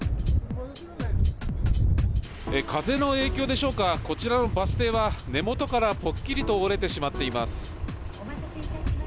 風の影響でしょうか、こちらのバス停は、根元からぽっきりと折れてしまっています。